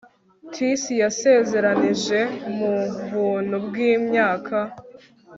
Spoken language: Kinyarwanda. Tis yasezeranije mu buntu bwimyaka